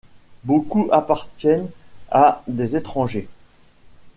Beaucoup appartiennent à des étrangers.